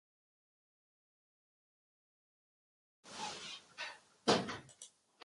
أتوعد كل جبار عنيد